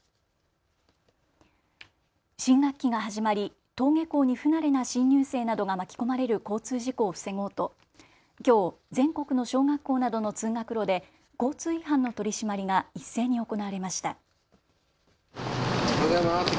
新学期が始まり登下校に不慣れな新入生などが巻き込まれる交通事故を防ごうときょう全国の小学校などの通学路で交通違反の取締りが一斉に行われました。